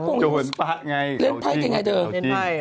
เกาจิ้งโจฮวนต้ะไงเกาจิ้งเลนไพร้จะยังไงเถอะ